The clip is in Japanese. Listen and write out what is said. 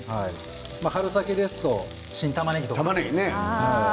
春先ですと新たまねぎとか。